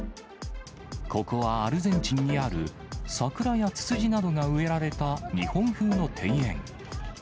ここはアルゼンチンにある、サクラやツツジなどが植えられた日本風の庭園。